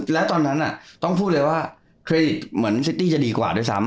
แล้วตอนนั้นต้องพูดเลยว่าเครดิตเหมือนซิตตี้จะดีกว่าด้วยซ้ำ